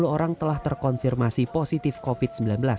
dua ratus lima puluh orang telah terkonfirmasi positif covid sembilan belas